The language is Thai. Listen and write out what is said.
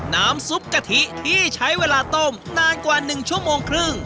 น้ำซุปกะทิที่ใช้เวลาต้มนานกว่า๑ชั่วโมงครึ่ง